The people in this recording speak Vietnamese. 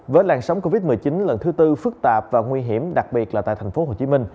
với làn sóng covid một mươi chín lần thứ tư phức tạp và nguy hiểm đặc biệt là tại tp hcm